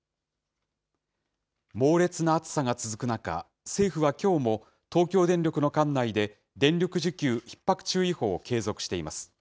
猛烈な暑さが続く中、政府はきょうも、東京電力の管内で電力需給ひっ迫注意報を継続しています。